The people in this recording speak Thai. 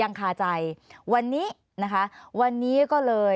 อันดับสุดท้ายแก่มือ